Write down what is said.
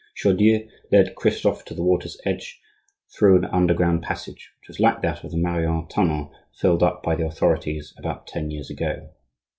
Chaudieu led Christophe to the water's edge through an underground passage, which was like that of the Marion tunnel filled up by the authorities about ten years ago.